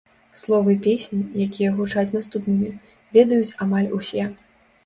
Словы песень, якія гучаць наступнымі, ведаюць амаль усе.